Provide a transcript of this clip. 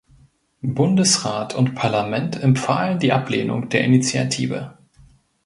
Bundesrat und Parlament empfahlen die Ablehnung der Initiative.